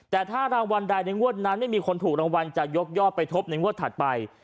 แต่ถ้ารางวัลใดในงวดนั้นไม่มีคนถูกรางวัลจะยกยอดไปทบในงวดถัดไป